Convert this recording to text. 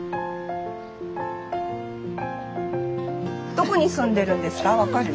どこに住んでるんですか分かる？